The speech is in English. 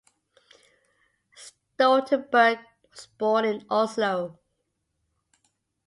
Stoltenberg was born in Oslo.